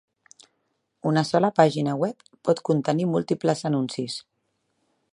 Una sola pàgina web pot contenir múltiples anuncis.